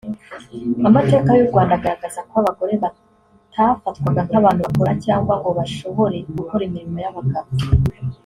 Amateka y’u Rwanda agaragaza ko abagore batafatwaga nk’abantu bakora cyangwa ngo bashobore gukora imirimo y’abagabo